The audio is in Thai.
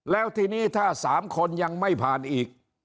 แล้วทีนี้ถ้า๓คนยังไม่ผ่านอีก